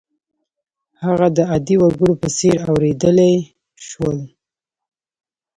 هغه د عادي وګړو په څېر اورېدلای شول.